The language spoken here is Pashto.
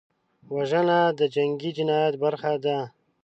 وژنه د جنګي جنایت برخه ده